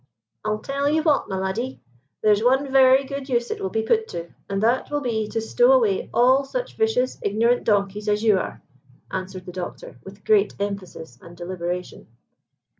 "I'll tell you what, ma laddie, there's one vary good use it will be put to, and that will be to stow away all such vicious, ignorant donkeys as you are," answered the doctor with great emphasis and deliberation.